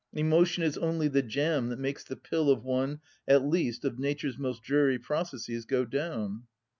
Emotion is only the jam that makes the pill of one at least of Nature's most dreary processes go down."